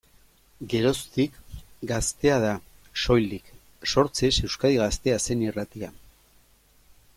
Geroztik, Gaztea da, soilik, sortzez Euskadi Gaztea zen irratia.